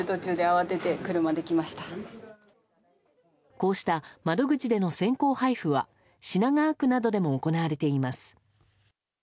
こうした窓口での先行配布は品川区などでも行われています。